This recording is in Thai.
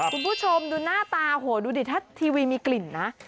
คุณผู้ชมดูหน้าตาโหดูดิถ้าทีวีมีกลิ่นนะ